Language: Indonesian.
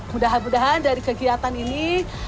mudah mudahan dari kegiatan ini